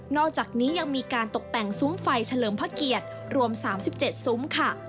อกจากนี้ยังมีการตกแต่งซุ้มไฟเฉลิมพระเกียรติรวม๓๗ซุ้มค่ะ